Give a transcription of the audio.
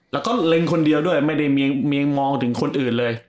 แล้วก็เล็งคนเดียวด้วยไม่ได้มีมองถึงคนอื่นเลย